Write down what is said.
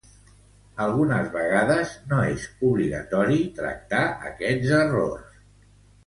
Algunes vegades no és obligatori tractar aquests errors.